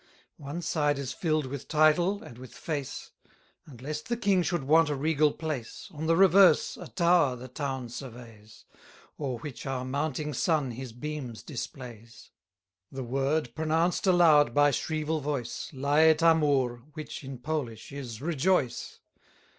One side is fill'd with title and with face; 10 And, lest the king should want a regal place, On the reverse, a tower the town surveys; O'er which our mounting sun his beams displays. The word, pronounced aloud by shrieval voice, Laetamur, which, in Polish, is rejoice.